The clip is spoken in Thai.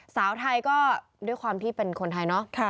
สาวไทยก็ด้วยความที่เป็นคนไทยเนาะ